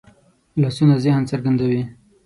لاسونه ذهن څرګندوي